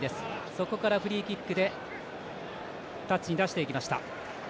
そこからフリーキックでタッチに出していきました。